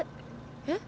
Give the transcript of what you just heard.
えっ？